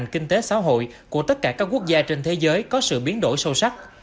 kinh tế xã hội của tất cả các quốc gia trên thế giới có sự biến đổi sâu sắc